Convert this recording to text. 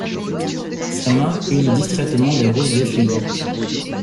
Sa main cueillit distraitement des roses défeuillées.